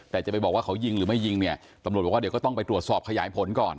แต่จะไปบอกว่าเขายิงหรือไม่ยิงเนี่ยตำรวจบอกว่าเดี๋ยวก็ต้องไปตรวจสอบขยายผลก่อน